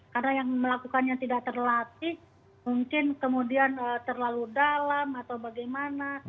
karena yang melakukannya tidak terlatih mungkin kemudian terlalu dalam atau bagaimana